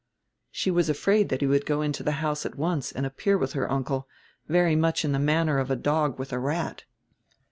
She was afraid that he would go into the house at once and appear with her uncle, very much in the manner of a dog with a rat.